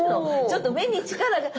ちょっと目に力が。